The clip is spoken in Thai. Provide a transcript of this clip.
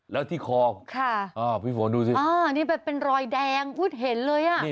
แล้วที่คอพี่ฝนดูสินี่แบบเป็นรอยแดงอุ๊ดเห็นเลยอ่ะ